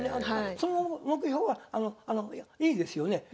その目標はいいですよね。